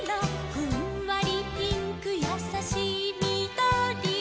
「ふんわりピンクやさしいみどり」